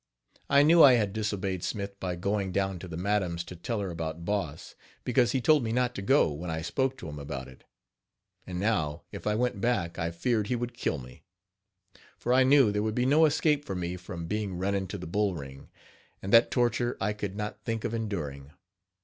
I knew I had disobeyed Smith by going down to the madam's to tell her about Boss, because he told me not to go when I spoke to him about it. And now if I went back I feared he would kill me; for I knew there would be no escape for me from being run into the bull ring, and that torture I could not think of enduring.